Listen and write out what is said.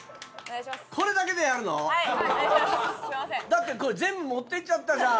だってこれ全部持っていっちゃったじゃん。